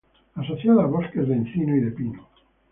Asociada a bosques de encino y de pino.